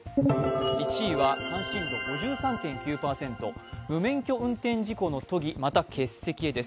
１位は関心度５３．９％、無免許運転事故の都議、また欠席へです。